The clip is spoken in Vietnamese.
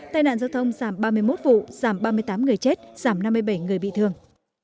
tai nạn giao thông giảm ba mươi một vụ giảm ba mươi tám người chết giảm năm mươi bảy người bị thương